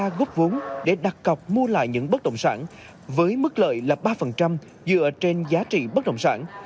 góp vốn để đặt cọc mua lại những bất động sản với mức lợi là ba dựa trên giá trị bất động sản